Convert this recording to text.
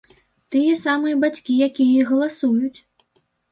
Тыя самыя бацькі, якія і галасуюць.